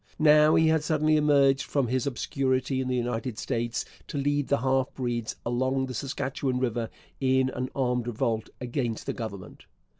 Now he had suddenly emerged from his obscurity in the United States to lead the half breeds along the Saskatchewan river in an armed revolt against the Government.